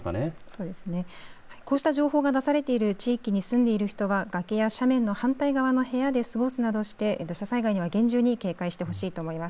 そうですね、こうした情報が出されている地域に住んでいる人は崖や斜面の反対側の部屋で過ごすなどして土砂災害には厳重に警戒してほしいと思います。